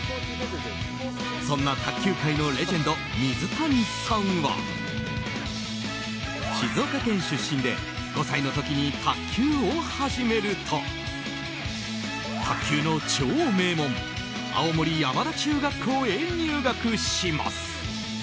そんな卓球界のレジェンド水谷さんは静岡県出身で５歳の時に卓球を始めると卓球の超名門青森山田中学校へ入学します。